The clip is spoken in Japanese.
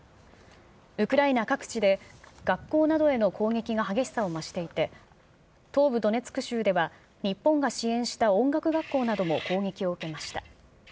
ウクライナ各地で学校などへの攻撃が激しさを増していて、東部ドネツク州では、日本が支援した音楽学校なども攻撃を受けました。